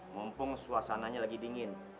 mumpung suasananya lagi dingin